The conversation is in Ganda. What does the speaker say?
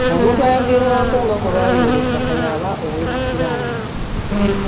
Omuntu ayogerwako nga gwe baayoola ettaka y'aba ow'ebisiraani